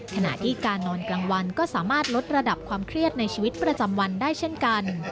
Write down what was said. ขณะที่การนอนกลางวันก็สามารถลดระดับความเครียดในชีวิตประจำวันได้เช่นกัน